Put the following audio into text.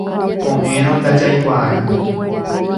Ko'ẽrõ ndajaikuaái